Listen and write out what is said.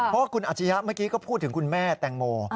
เพราะว่าคุณอาชียะเมื่อกี้ก็พูดถึงคุณแม่แตงโม